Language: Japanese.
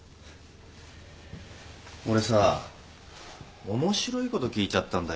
俺さ面白いこと聞いちゃったんだよな。